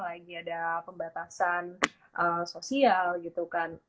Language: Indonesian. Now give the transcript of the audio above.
lagi ada pembatasan sosial gitu kan